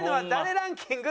ランキング